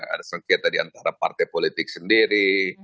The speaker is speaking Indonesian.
ada sengketa di antara partai politik sendiri